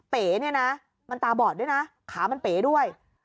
เป๋เนี่ยนะมันตาบอดด้วยนะขามันเป๋ด้วย